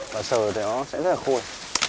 và sờ thì nó sẽ rất là khôi